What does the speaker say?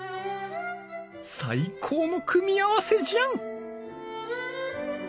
最高の組み合わせじゃん！